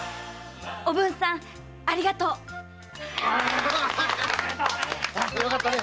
おぶんさんありがとう！よかったね！